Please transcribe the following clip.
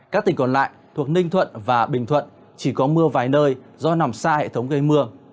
các tỉnh còn lại thuộc ninh thuận và bình thuận chỉ có mưa vài nơi do nằm xa hệ thống gây mưa